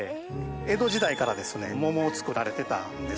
江戸時代から桃を作られてたんですね。